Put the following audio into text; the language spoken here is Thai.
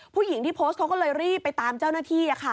ผู้หญิงที่โพสต์เขาก็เลยรีบไปตามเจ้าหน้าที่